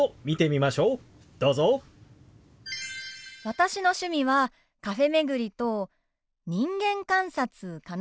私の趣味はカフェ巡りと人間観察かな。